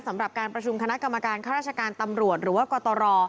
สำหรับการประชุมคณะกรรมการข้าราชการตำรวจหรือว่ากตร